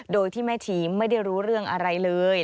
โดยที่แม่ชีไม่ได้รู้เรื่องอะไรเลย